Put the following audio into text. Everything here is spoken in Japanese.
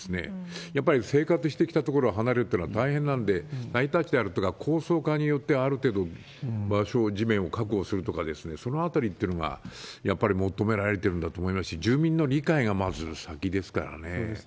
やっぱり生活してきたところを離れるってのは大変なんで、高層化によっては、ある程度、場所や地面を確保するとか、そのあたりというのがやっぱり求められてるんだと思いますし、住民の理解がまず先ですからね。